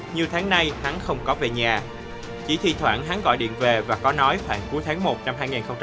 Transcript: sô tha không có về nhà chỉ thi thoảng hắn gọi điện về và có nói khoảng cuối tháng một năm hai nghìn một mươi chín